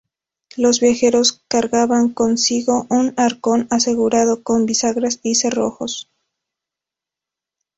Los viajeros cargaban consigo un arcón asegurado con bisagras y cerrojos.